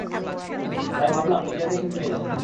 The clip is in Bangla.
তাই ভাবলাম নিজের দেশে ফিরে যাই।